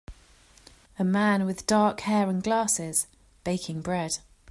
A man with dark hair and glasses baking bread.